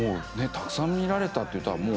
たくさん見られたっていったらもう。